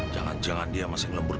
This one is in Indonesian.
kalo tidak dia ini orang busa